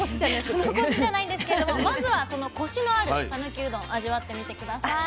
その「こし」じゃないんですけれどもまずはそのコシのある讃岐うどん味わってみて下さい。